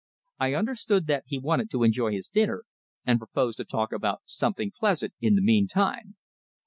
I understood that he wanted to enjoy his dinner, and proposed to talk about something pleasant in the meantime.